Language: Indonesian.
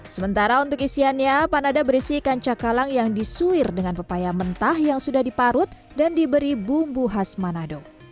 sementara untuk isiannya panada berisi ikan cakalang yang disuir dengan pepaya mentah yang sudah diparut dan diberi bumbu khas manado